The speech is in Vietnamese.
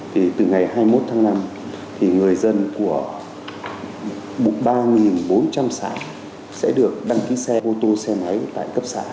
thì từ ngày hai mươi một tháng năm thì người dân của ba bốn trăm linh xã sẽ được đăng ký xe ô tô xe máy tại cấp xã